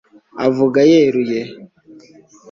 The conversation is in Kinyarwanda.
Avuga yeruye